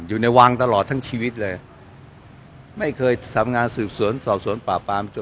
อยู่ในวังตลอดทั้งชีวิตเลยไม่เคยทำงานสืบสวนสอบสวนปราบปรามจน